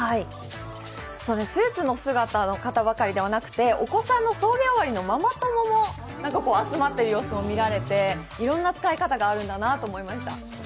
スーツの姿の方ばかりでなくてお子さんの送迎終わりのママ友も集まっている姿も見られていろんな使い方があるんだなと思いました。